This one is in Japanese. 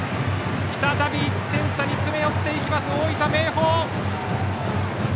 再び１点差に詰め寄っていきます大分・明豊。